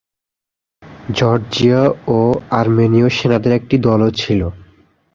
জর্জীয় ও আর্মেনীয় সেনাদের একটি দলও ছিল।